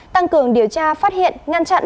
tăng cường điều tra phát hiện ngăn chặn